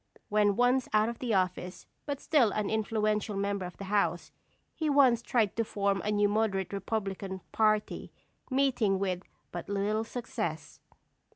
When once out of office, but still an influential member of the House, he once tried to form a new Moderate Republican party, meeting with but little success.